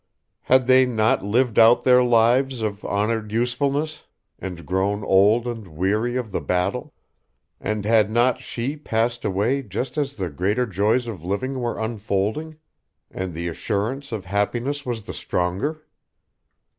Had they not lived out their lives of honored usefulness, and grown old and weary of the battle? And had not she passed away just as the greater joys of living were unfolding, and the assurance of happiness was the stronger?